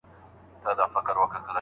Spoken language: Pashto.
راوړو.